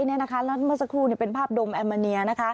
แล้วเมื่อสักครู่เป็นภาพดมแอมมาเนีย